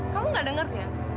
kamu gak denger ya